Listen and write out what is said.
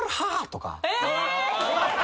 え！？